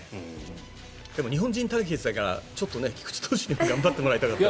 でも日本人対決だからちょっと菊池投手にも頑張ってもらいたかった。